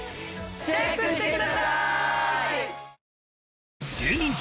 チェックしてください！